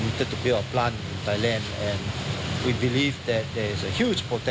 มีพลังสร้างพลังใหญ่ที่สุด